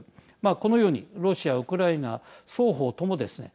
このように、ロシアウクライナ双方ともですね